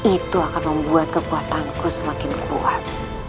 itu akan membuat kekuatanku semakin kuat